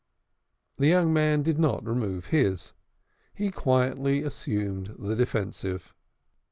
The young man did not remove his; he quietly assumed the defensive.